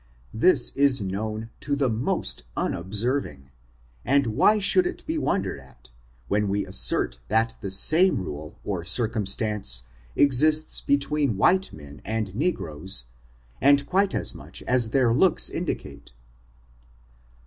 This is known to the most unobserving, and why should it be wondered at, when we assert that the same rule or circumstance exists between white men and negroes, and quite as much as their looks in dicate.